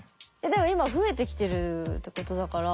でも今増えてきてるってことだから。